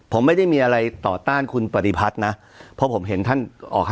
ผมไม่ได้มีอะไรต่อต้านคุณปฏิพัฒน์นะเพราะผมเห็นท่านออกให้